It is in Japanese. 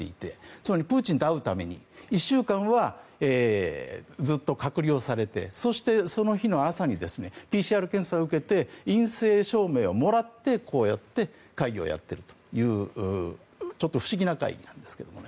つまり、プーチンと会うために１週間はずっと隔離をされてそして、その日の朝にＰＣＲ検査を受けて陰性証明をもらってこうやって会議をやってるというちょっと不思議な会議なんですけど。